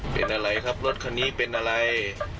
เป็นอะไรครับรถคันนี้เป็นอะไร